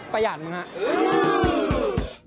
ประหยัดมั้งครับ